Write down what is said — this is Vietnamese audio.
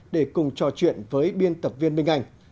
để cùng trò chuyện với biên tập viên minh anh